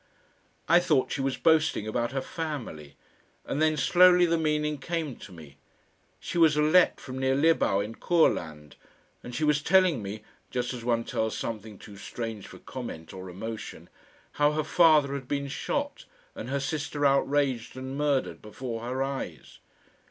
I thought she was boasting about her family, and then slowly the meaning came to me. She was a Lett from near Libau in Courland, and she was telling me just as one tells something too strange for comment or emotion how her father had been shot and her sister outraged and murdered before her eyes.